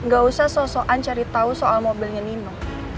gak usah so soan cari tau soal mobilnya nino